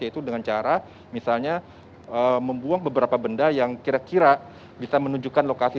yaitu dengan cara misalnya membuang beberapa benda yang kira kira bisa menunjukkan lokasi